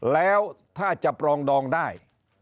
แล้วถ้าจะปรองดองได้